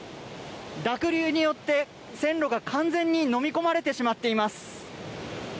濁流によって、線路が完全にのみ込まれてしまっています。